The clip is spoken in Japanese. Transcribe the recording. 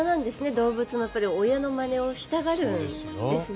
動物も親のまねをしたがるんですね。